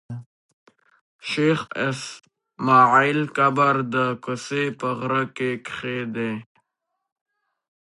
شېخ اسماعیل قبر د کسي په غره کښي دﺉ.